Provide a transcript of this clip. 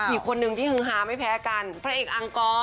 อีกคนนึงที่ฮือฮาไม่แพ้กันพระเอกอังกร